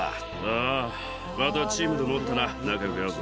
ああまたチームに戻ったら仲良くやろうぜ。